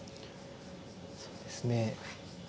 そうですね。